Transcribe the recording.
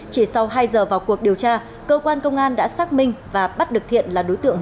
chỉ sau hai giờ vào cuộc điều tra cơ quan công an đã xác minh và bắt được thiện là đối tượng